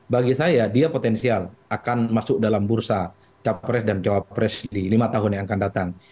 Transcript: bagi saya dia potensial akan masuk dalam bursa capres dan cawapres di lima tahun yang akan datang